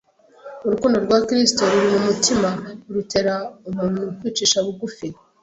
Urukundo rwa Kristo ruri mu mutima rutera umuntu kwicisha bugufi